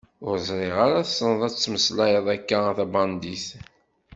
Ur ẓriɣ ara tesneḍ ad temmeslayeḍ akka a tabandit.